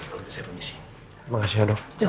terima kasih dokter